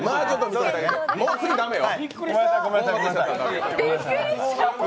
もうすぐ駄目よ。